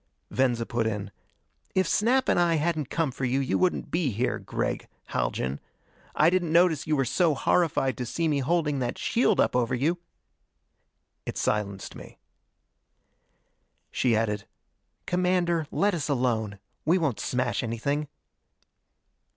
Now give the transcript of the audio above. Venza put in, "If Snap and I hadn't come for you, you wouldn't be here, Gregg Haljan. I didn't notice you were so horrified to see me holding that shield up over you!" It silenced me. She added, "Commander, let us alone. We won't smash anything."